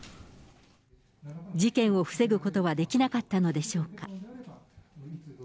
事件を防ぐことはできなかったのでしょうか。